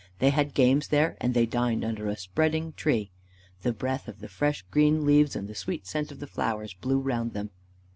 They had games there, and they dined under a spreading tree. The breath of the fresh green leaves and the sweet scent of the flowers blew round them.